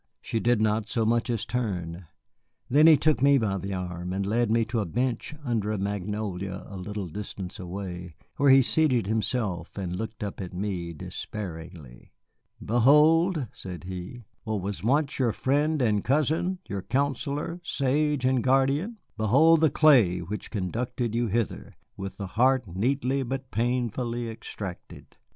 She did not so much as turn. Then he took me by the arm and led me to a bench under a magnolia a little distance away, where he seated himself, and looked up at me despairingly. "Behold," said he, "what was once your friend and cousin, your counsellor, sage, and guardian. Behold the clay which conducted you hither, with the heart neatly but painfully extracted.